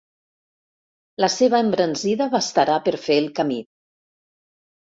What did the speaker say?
La seva embranzida bastarà per fer el camí.